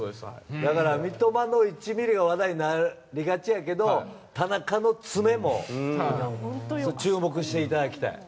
だから三笘の１ｍｍが話題になりがちやけど田中の詰めも注目していただきたい。